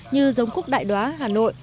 như giống cúc đại đoá hà nội